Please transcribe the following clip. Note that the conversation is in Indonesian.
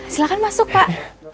silahkan masuk pak